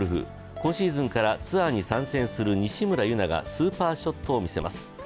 今シーズンからツアーに参戦する西村優菜がスーパーショットを見せます。